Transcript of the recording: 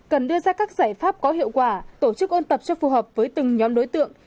cần đưa ra các giải pháp có hiệu quả tổ chức ôn tập cho phù hợp với từng nhóm đối tượng